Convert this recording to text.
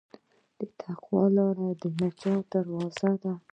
د تقوی لاره د نجات دروازه ده.